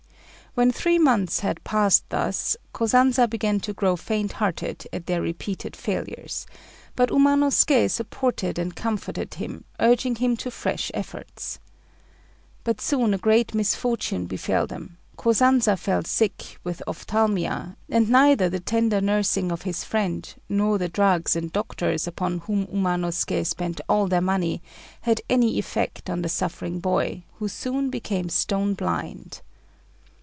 When three months had passed thus, Kosanza began to grow faint hearted at their repeated failures; but Umanosuké supported and comforted him, urging him to fresh efforts. But soon a great misfortune befell them: Kosanza fell sick with ophthalmia, and neither the tender nursing of his friend, nor the drugs and doctors upon whom Umanosuké spent all their money, had any effect on the suffering boy, who soon became stone blind.